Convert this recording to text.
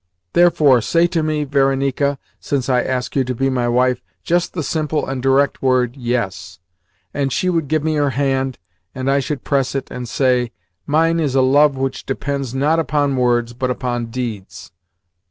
Therefore say to me, Varenika (since I ask you to be my wife), just the simple and direct word YES.' And she would give me her hand, and I should press it, and say, 'Mine is a love which depends not upon words, but upon deeds.